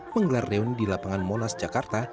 menggelar reun di lapangan monas jakarta